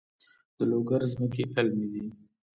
د لوګر ځمکې للمي دي